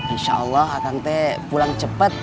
insya allah akang teh pulang cepet